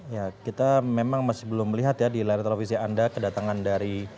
ya kita memang masih belum melihat ya di layar televisi anda kedatangan dari